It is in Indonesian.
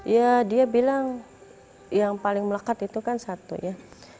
ya dia bilang yang paling melekat itu kan satu ya